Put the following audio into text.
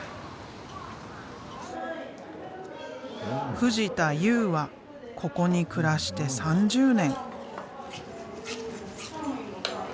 藤田雄はここに暮らして３０年。